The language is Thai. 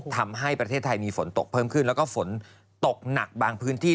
ทำให้ประเทศไทยมีฝนตกเพิ่มขึ้นแล้วก็ฝนตกหนักบางพื้นที่